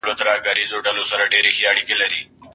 ایا د مېوې له ډېر استعمال سره د قبضیت مخه نیول کېږي؟